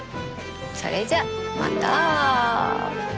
それじゃあまた。